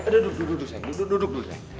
duduk dulu sayang